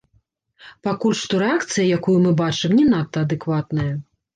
Пакуль што рэакцыя, якую мы бачым, не надта адэкватная.